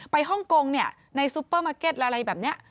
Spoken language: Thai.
ไปฮ่องโกงเนี่ยในซูเปอร์มาร์เก็ตอะไรแบบเนี่ย